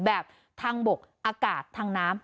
แบบทางบกอากาศทางน้ำ